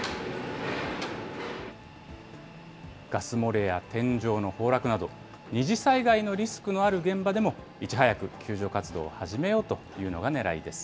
ガス漏れや天井の崩落など、二次災害のリスクのある現場でも、いち早く救助活動を始めようというのがねらいです。